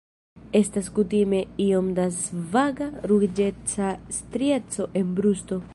Estas kutime iom da svaga ruĝeca strieco en brusto.